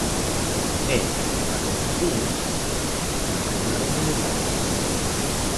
E, canda os veciños, reaccionaron de inmediato.